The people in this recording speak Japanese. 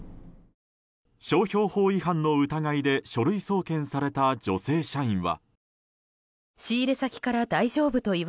商標法違反の疑いで書類送検された女性社員は。